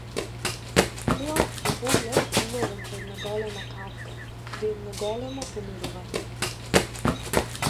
Тоа е поглед уловен по една голема кавга, при едно големо помирување.